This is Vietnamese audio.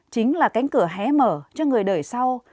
chính là cánh cửa hé mở cho người đời sau